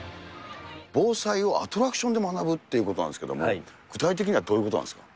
防災をアトラクションで学ぶっていうことなんですけれども、具体的にはどういうことなんですか？